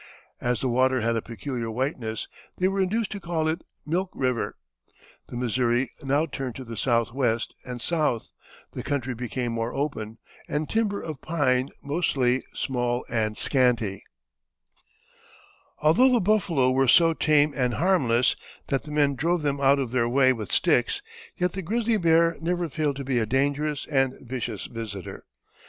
As the water had a peculiar whiteness they were induced to call it Milk River. The Missouri now turned to the southwest and south, the country became more open, and timber, of pine mostly, small and scanty. [Illustration: Captain Meriwether Lewis.] Although the buffalo were so tame and harmless that the men drove them out of their way with sticks, yet the grizzly bear never failed to be a dangerous and vicious visitor.